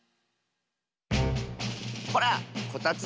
ほらこたつだ！